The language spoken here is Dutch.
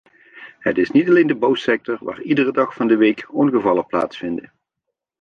Het is niet alleen de bouwsector waar iedere dag van de week ongevallen plaatsvinden.